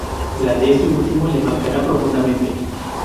La de este último le marcará profundamente.